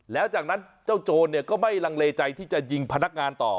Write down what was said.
แล้วจากนั้นเจ้าโจรก็ไม่ลังเลใจที่จะยิงพนักงานต่อ